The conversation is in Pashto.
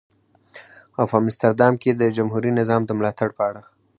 او په مستر دام کې د جمهوري نظام د ملاتړ په اړه.